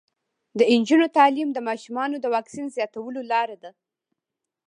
د نجونو تعلیم د ماشومانو واکسین زیاتولو لاره ده.